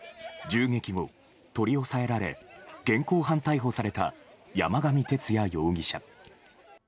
銃撃後、取り押さえられ現行犯逮捕された山上徹也容疑者。